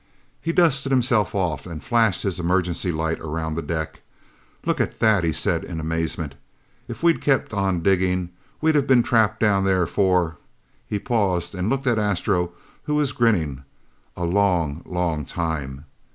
He dusted himself off and flashed his emergency light around the deck. "Look at that!" he said in amazement. "If we'd kept on digging, we'd have been trapped down there for " he paused and looked at Astro who was grinning "a long, long time!"